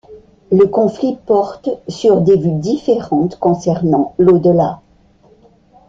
Le conflit porte sur des vues différentes concernant l'Au-delà.